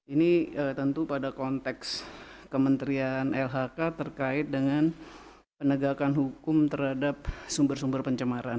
ini tentu pada konteks kementerian lhk terkait dengan penegakan hukum terhadap sumber sumber pencemaran